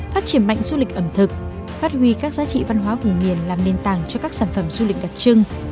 phát triển mạnh du lịch ẩm thực phát huy các giá trị văn hóa vùng miền làm nền tảng cho các sản phẩm du lịch đặc trưng